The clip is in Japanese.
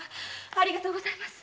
ありがとうございます。